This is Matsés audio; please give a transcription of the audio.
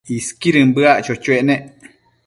Isquidën bëac cho-choec nec